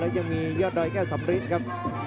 แล้วยังมียอดรอยแก้วสำริดครับ